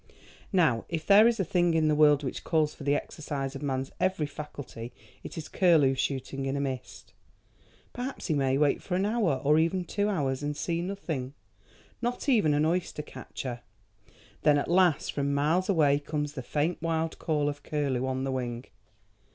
Now if there is a thing in the world which calls for the exercise of man's every faculty it is curlew shooting in a mist. Perhaps he may wait for an hour or even two hours and see nothing, not even an oyster catcher. Then at last from miles away comes the faint wild call of curlew on the wing.